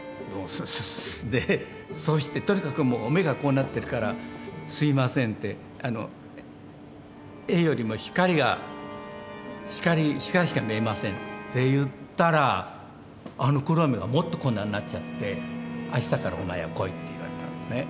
でそしてとにかく目がこうなってるから「すみません絵よりも光が光しか見えません」って言ったらあの黒い目がもっとこんなになっちゃって「あしたからお前は来い」って言われたんですね。